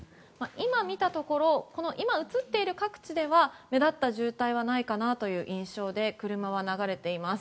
今見たところ今映っている各地では目立った渋滞はないかなという印象で車は流れています。